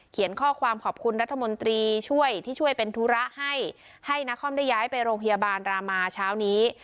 ข้อความขอบคุณรัฐมนตรีช่วยที่ช่วยเป็นธุระให้ให้นครได้ย้ายไปโรงพยาบาลรามาเช้านี้